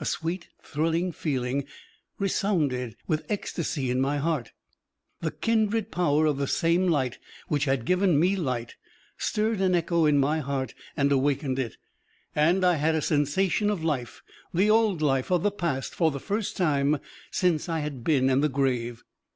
A sweet, thrilling feeling resounded with ecstasy in my heart: the kindred power of the same light which had given me light stirred an echo in my heart and awakened it, and I had a sensation of life, the old life of the past for the first time since I had been in the grave.